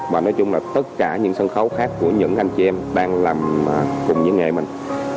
và nói chung là tất cả những sân khấu khác của những anh chị em đang làm cùng với nghề mình